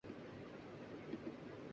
اشارہ پاتے ہی صوفی نے توڑ دی پرہیز